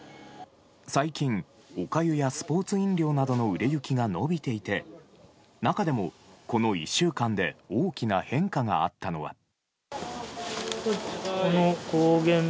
最近おかゆやスポーツ飲料などの売れ行きが伸びていて中でも、この１週間で大きな変化があったのは。